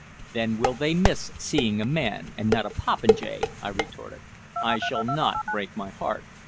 "Then will they miss seeing a man, and not a popinjay," I retorted. "I shall not break my heart."